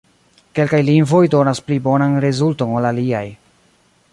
Kelkaj lingvoj donas pli bonan rezulton ol aliaj.